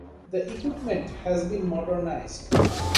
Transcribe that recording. The equipment has been modernized.